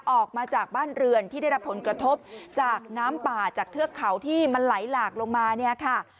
ออกมาจากบ้านเรือนที่ได้รับผลกระทบจากน้ำป่าจากเทือกเขาที่มันไหลหลากลงมาเนี่ยค่ะ